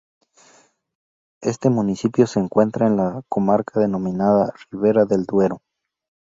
Este municipio se encuentra en la comarca denominada Ribera del Duero.